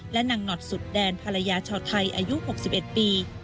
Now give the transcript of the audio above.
และนางนอดสุดแดนพลายช่อไทยอายุหกสิบเอ็ดปี